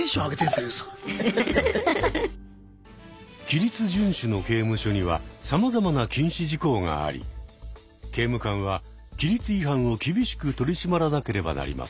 規律順守の刑務所にはさまざまな禁止事項があり刑務官は規律違反を厳しく取り締まらなければなりません。